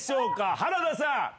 原田さん。